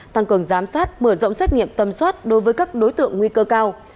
tăng cường giám sát mở rộng xét nghiệm tâm soát đối với các đối tượng nguy cơ cao